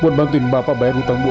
bapak senang kamu cari temanmu